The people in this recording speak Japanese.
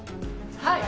はい！